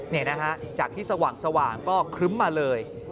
นี่นะฮะจากที่สว่างก็ครึ้มมาเลย